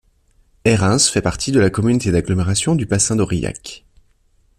Ayrens fait partie de la communauté d'agglomération du bassin d'Aurillac.